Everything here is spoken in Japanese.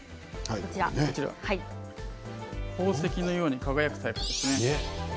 こちらは宝石のように輝くタイプですね。